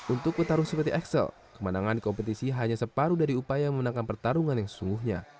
untuk petarung seperti excel kemenangan di kompetisi hanya separuh dari upaya memenangkan pertarungan yang sesungguhnya